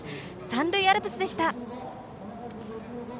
三塁アルプスでした。